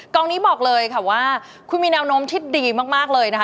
กองนี้บอกเลยค่ะว่าคุณมีแนวโน้มที่ดีมากเลยนะคะ